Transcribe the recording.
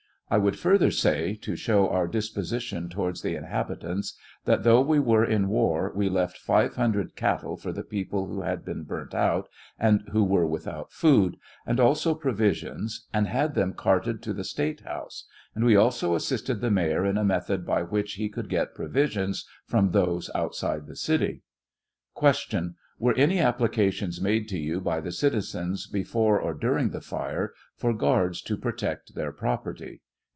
I would further say, to show our disposition towards the inhabitants, that though we were in war we left five hundred cattle for the people who had been burnt out, and who were without food, and also provisions, and had them carted to the State House, and we also assisted the mayor in a method by which he could get provisionu from those outside the city. Q. Were any applications made to you by the citi zen's before or during the fire for guards to protect their property?